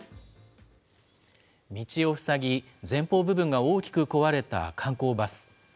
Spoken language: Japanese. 道を塞ぎ、前方部分が大きく壊れた観光バス。